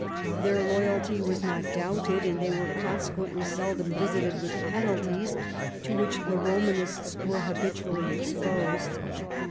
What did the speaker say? Their loyalty was not doubted, and they were consequently seldom visited with penalties, to which the Romanists were habitually exposed.